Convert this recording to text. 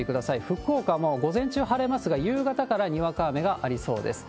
福岡も午前中晴れますが、夕方からにわか雨がありそうです。